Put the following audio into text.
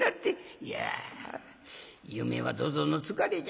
「いや夢は土蔵の疲れじゃ。